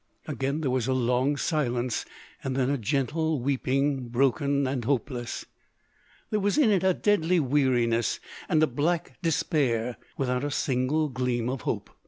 Again there was a long silence, and then a gentle weeping, broken, and hopeless. There was in it a deadly weariness, and a black despair, without a single gleam of hope.